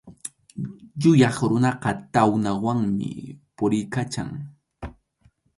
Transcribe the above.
Yuyaq runaqa tawnawanmi puriykachan.